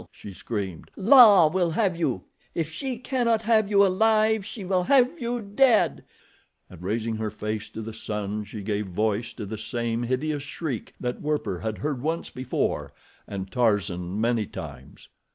she screamed. "La will have you—if she cannot have you alive, she will have you dead," and raising her face to the sun she gave voice to the same hideous shriek that Werper had heard once before and Tarzan many times.